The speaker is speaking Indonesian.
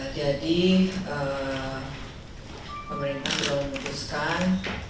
jadi pemerintah sudah memutuskan